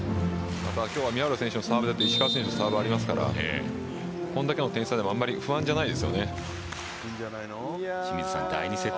今日は宮浦選手のサーブだけじゃなくて石川選手のサーブもありますからこれだけの点差でもあまり不安じゃないですよね。